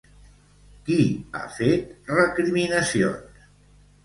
Qui ha fet recriminacions?